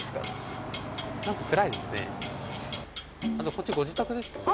こっちご自宅ですよね。